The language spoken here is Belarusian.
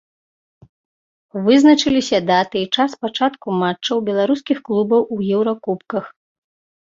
Вызначыліся даты і час пачатку матчаў беларускіх клубаў у еўракубках.